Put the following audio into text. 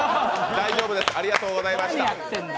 大丈夫です、ありがとうございました。